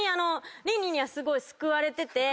『倫理』にはすごい救われてて。